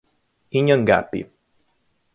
Inhangapi